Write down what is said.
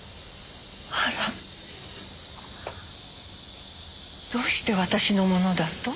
あら。どうして私のものだと？